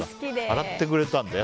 洗ってくれたんだ。